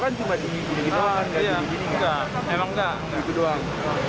aja gitu doang